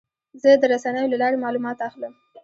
زه د رسنیو له لارې معلومات اخلم.